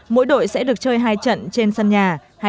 mỗi đội sẽ được chơi hai trận trên sân nhà